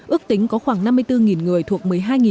ước tính có khoảng năm mươi bốn người thuộc một mươi hai ngôi làng